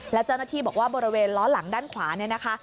และเจ้าหน้าที่บอกว่าบริเวณล้อหลังด้านขวาเนี่ยนะคะ